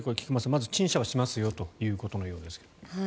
まずは陳謝はしますよということのようですが。